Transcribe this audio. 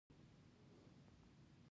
زه به لاړ شم، خو زړه مې همدلته پرېږدم.